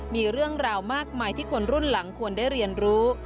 มีเรื่องราวมากมายที่คนรุ่นหลังควรได้เรียนรู้